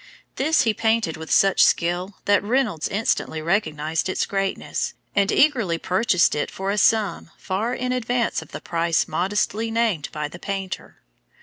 This he painted with such skill that Reynolds instantly recognized its greatness, and eagerly purchased it for a sum far in advance of the price modestly named by the painter.